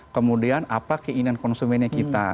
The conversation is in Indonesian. kemudian apa keinginan konsumennya kita